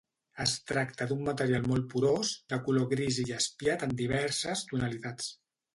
Es tracta d'un material molt porós, de color gris i jaspiat en diverses tonalitats.